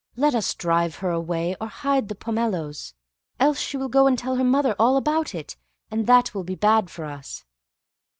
Let us drive her away, or hide the pomeloes, else she will go and tell her mother all about it, and that will be bad for us."